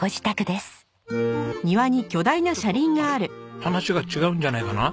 話が違うんじゃないかな？